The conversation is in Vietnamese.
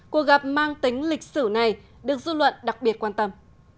cuộc gặp mang tính lịch sử này được dư luận đặc biệt quan tâm